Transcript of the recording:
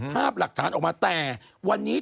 ภาพหลักฐานออกมาแต่วันนี้